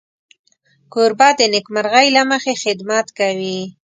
کوربه د نېکمرغۍ له مخې خدمت کوي.